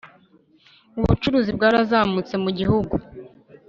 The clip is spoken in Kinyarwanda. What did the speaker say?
Ubucuruzi bwarazamutse mu gihugu